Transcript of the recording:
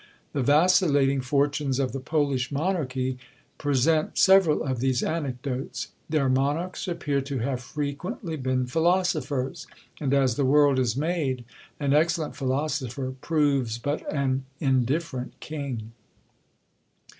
The vacillating fortunes of the Polish monarchy present several of these anecdotes; their monarchs appear to have frequently been philosophers; and, as the world is made, an excellent philosopher proves but an indifferent king.